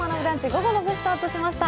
午後の部、スタートしました。